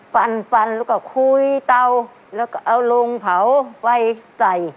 ปั่นแล้วก็คุ้ยเตาแล้วก็เอาลงเผาไว้ใจ